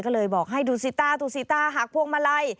ก็เลยบอกให้ดูสิตาร์หากพวกมาลัย